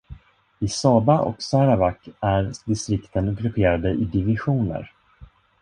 I Sabah och Sarawak är distrikten grupperade i divisioner.